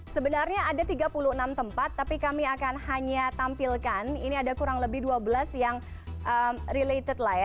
sebenarnya ada tiga puluh enam tempat tapi kami akan hanya tampilkan ini ada kurang lebih dua belas yang related lah ya